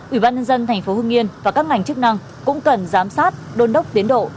ủy ban nhân dân thành phố hưng yên và các ngành chức năng cũng cần giám sát đôn đốc tiến độ